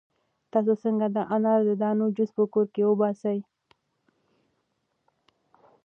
تاسو څنګه د انار د دانو جوس په کور کې وباسئ؟